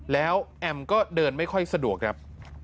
แล้วแอมก็เดินไม่ค่อยสะดวกครับ